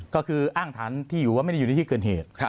ก็คืออ้างฐานที่อยู่ว่าไม่ได้อยู่ในที่เกิดเหตุ